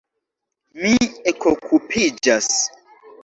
Mi ekokupiĝas.